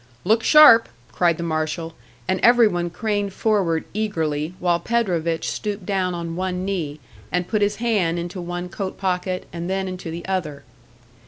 "Look sharp!" cried the marshal; and every one craned forward eagerly, while Predovich stooped down on one knee, and put his hand into one coat pocket and then into the other.